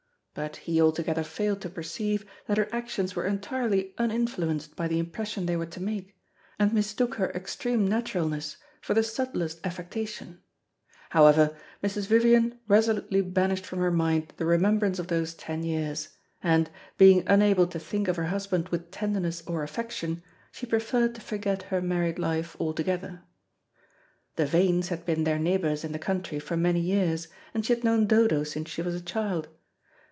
But he altogether failed to perceive that her actions were entirely uninfluenced by the impression they were to make, and mistook her extreme naturalness for the subtlest affectation. However, Mrs. Vivian resolutely banished from her mind the remembrance of those ten years, and, being unable to think of her husband with tenderness or affection, she preferred to forget her married life altogether. The Vanes had been their neighbours in the country for many years, and she had known Dodo since she was a child.